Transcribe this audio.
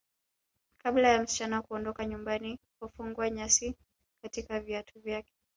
Kabla ya msichana kuondoka nyumbani hufungwa nyasi katika viatu vyake